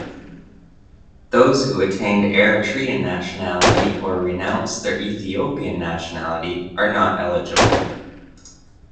Those who attained Eritrean nationality or renounced their Ethiopian nationality are not eligible.